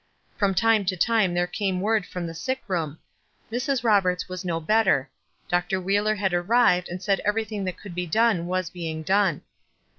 From time to time there came w r ord from the sick room: "Mrs. Roberts was no better." "Dr. Wheeler had ar rived, and said everything that could be done was being done."